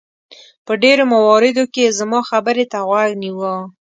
په ډېرو مواردو کې یې زما خبرې ته غوږ نیوه.